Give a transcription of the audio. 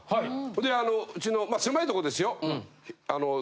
であのうちのまあ狭いとこですよ。